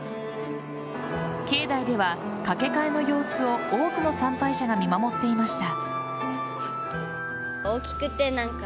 境内では、掛け替えの様子を多くの参拝者が見守っていました。